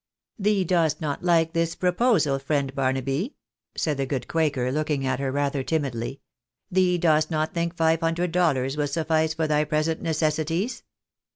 " Thee dost not Kke this proposal, friend Barnaby ?" said the good quaker, looking at her rather timidly. " Thee dost not think five hundred dollars will sufiice for thy present necessities